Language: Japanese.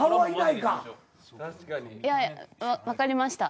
いやわかりました。